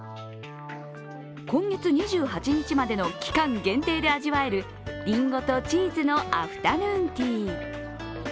今月２８日までの期間限定で味わえるりんごとチーズのアフタヌーンティー。